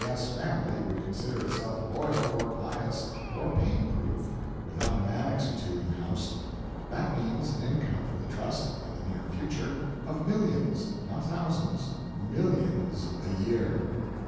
S. family would consider itself loyal or pious or pain proof without an Annex or two in the house. That means an income for the Trust in the near future of millions: not thousands millions a year.